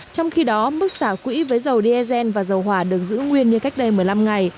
trong khi đó mức xả quỹ với dầu diesel và dầu hỏa được giữ nguyên như cách đây một mươi năm ngày